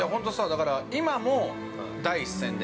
だから今も、第一線で。